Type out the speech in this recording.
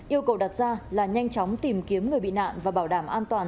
yêu cầu đặt ra là nhanh chóng tìm kiếm người bị nạn và bảo đảm an toàn